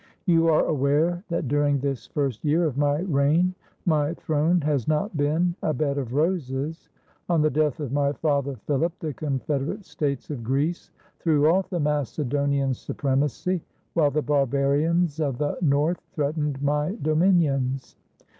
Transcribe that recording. "You are aware that during this first year of my reign my throne has not been a bed of roses. On the death of my father Philip, the confederate states of Greece threw off the Macedonian supremacy, while the barbarians of th,e north threatened my dominions.